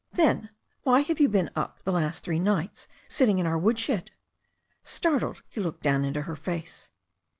"Then, why have you been up the last three nights sit ting in our woodshed?" Startled, he looked down into her face.